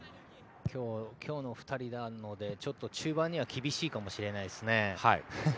今日の２人は中盤には厳しいかもしれないですね。